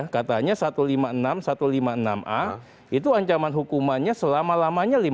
katanya satu ratus lima puluh enam satu ratus lima puluh enam a itu ancaman hukumannya selama lamanya lima puluh